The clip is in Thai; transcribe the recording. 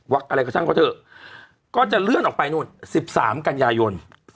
อะไรก็ช่างเขาเถอะก็จะเลื่อนออกไปนู่น๑๓กันยายน